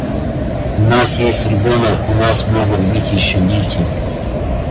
У нас есть ребенок, у нас могут быть еще дети.